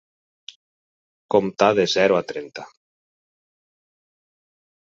Comptar de zero a trenta.